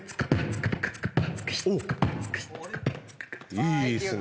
いいっすね！